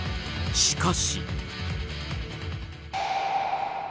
しかし。